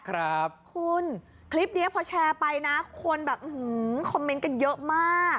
ครับคุณคลิปนี้พอแชร์ไปนะคนแบบคอมเมนต์กันเยอะมาก